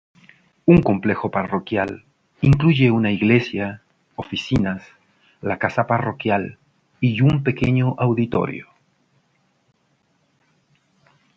El complejo parroquial incluye una iglesia, oficinas, la casa parroquial y un pequeño auditorio.